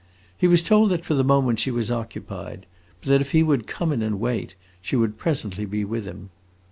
He was told that, for the moment, she was occupied, but that if he would come in and wait, she would presently be with him.